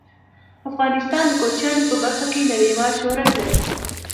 افغانستان د کوچیانو په برخه کې نړیوال شهرت لري.